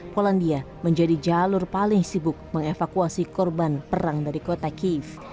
polandia menjadi jalur paling sibuk mengevakuasi korban perang dari kota kiev